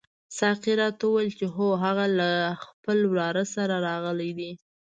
ساقي راته وویل چې هو هغه له خپل وراره سره راغلی دی.